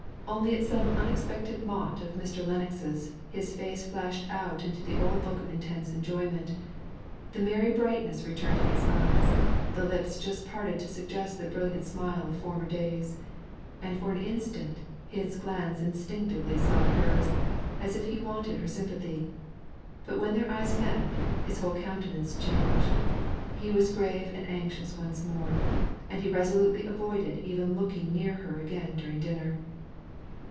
Only at some unexpected mot of Mr. Lennox's, his face flashed out into the old look of intense enjoyment: the merry brightness returned to his eyes, the lips just parted to suggest the brilliant smile of former days; and for an instant, his glance instinctively sought hers, as if he wanted her sympathy. But when their eyes met, his whole countenance changed; he was grave and anxious once more; and he resolutely avoided even looking near her again during dinner.